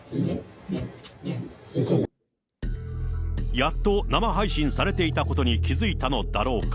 やっと生配信されていたことに気付いたのだろうか。